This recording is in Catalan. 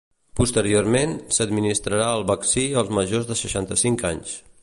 Posteriorment, s’administrarà el vaccí als majors de seixanta-cinc anys.